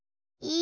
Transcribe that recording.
い！